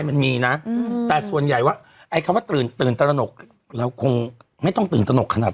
มันคือไข้หวัดชนิดนึง